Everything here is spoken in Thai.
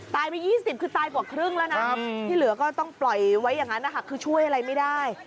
ไป๒๐คือตายกว่าครึ่งแล้วนะที่เหลือก็ต้องปล่อยไว้อย่างนั้นนะคะคือช่วยอะไรไม่ได้